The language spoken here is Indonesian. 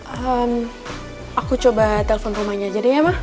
ehm aku coba telfon rumahnya aja deh ya ma